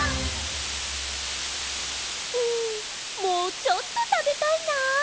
んもうちょっとたべたいな。